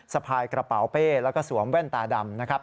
สะพายกระเป๋าเป้แล้วก็สวมแว่นตาดำนะครับ